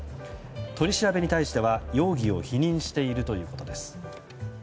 取り調べに対しては、容疑を否認しているということです。